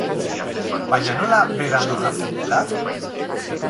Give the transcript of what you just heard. Baina nola, berandu janzten dela?